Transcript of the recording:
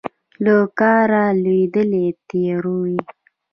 له کاره لوېدلې تیورۍ